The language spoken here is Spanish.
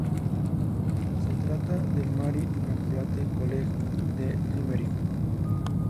Se trata del "Mary Immaculate College", de Limerick.